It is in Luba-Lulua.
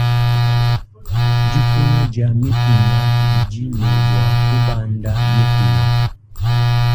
Dikuna dia mikuna didi ne bua kubanda mikuna.